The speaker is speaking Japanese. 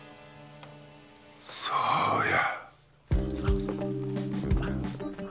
そうや！